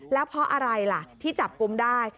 แล้วเพราะอะไรล่ะที่จับกลุ่มได้